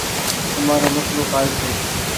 تمآرو مسلو ڪآئي ڇي۔